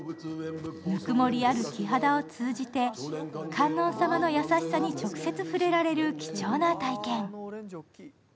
ぬくもりある木肌を通じて観音様の優しさに直接触れられる貴重な体験。